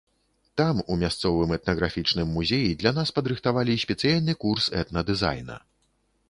Там, у мясцовым этнаграфічным музеі, для нас падрыхтавалі спецыяльны курс этна-дызайна.